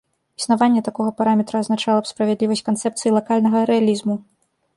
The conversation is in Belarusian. Існаванне такога параметра азначала б справядлівасць канцэпцыі лакальнага рэалізму.